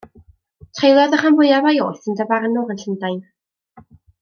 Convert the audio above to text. Treuliodd y rhan fwyaf o'i oes yn dafarnwr yn Llundain.